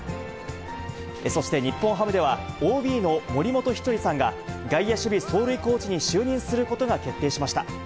そして日本ハムでは、ＯＢの森本稀哲さんが、外野守備走塁コーチに就任することが決定しました。